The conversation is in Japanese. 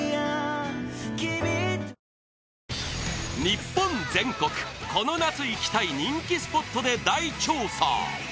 日本全国この夏行きたい人気スポットで大調査！